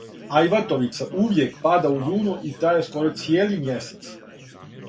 Ајватовица увијек пада у јуну и траје скоро цијели мјесец.